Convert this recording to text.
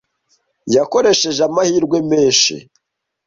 Yakoresheje amahirwe menshi.